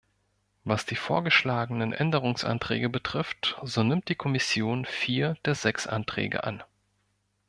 Was die vorgeschlagenen Änderungsanträge betrifft, so nimmt die Kommission vier der sechs Anträge an.